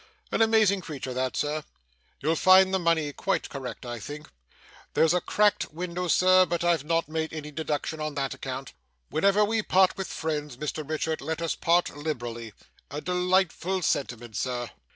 An amazing creature that, sir! You'll find the money quite correct, I think. There's a cracked window sir, but I've not made any deduction on that account. Whenever we part with friends, Mr Richard, let us part liberally. A delightful sentiment, sir!